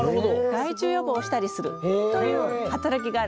害虫予防をしたりするという働きがあるんです。